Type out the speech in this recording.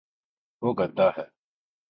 وہ گد ہ ہے